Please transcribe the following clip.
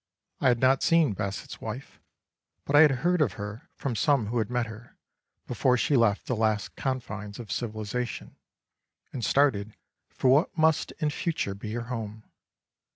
I had not seen Basset's wife, but I had heard of her from some who had met her, before she left the last confines of civilisation and started for what must in future be her home.